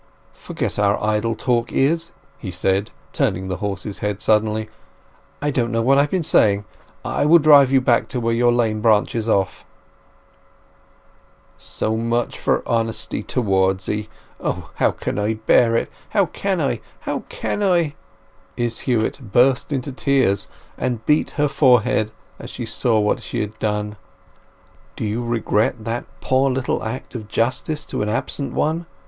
_" "Forget our idle talk, Izz," he said, turning the horse's head suddenly. "I don't know what I've been saying! I will now drive you back to where your lane branches off." "So much for honesty towards 'ee! O—how can I bear it—how can I—how can I!" Izz Huett burst into wild tears, and beat her forehead as she saw what she had done. "Do you regret that poor little act of justice to an absent one?